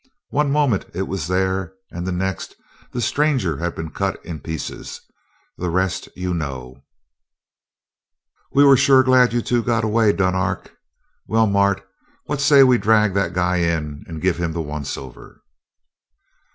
One moment it was there, and the next, the stranger had been cut in pieces. The rest you know." "We're sure glad you two got away, Dunark. Well, Mart, what say we drag that guy in and give him the once over?"